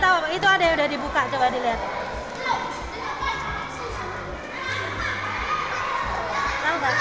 tapi tahu itu ada yang sudah dibuka coba dilihat